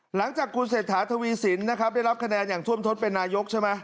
หลังจากคุณเศรษฐาทวีสินนะครับได้รับคะแนนอย่างท่วมทศเป็นนายกใช่ไหม